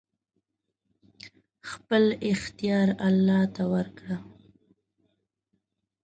خپل اختيار الله ته ورکړئ!